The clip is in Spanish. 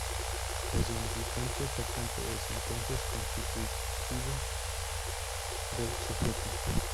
El significante faltante es, entonces, constitutivo del sujeto.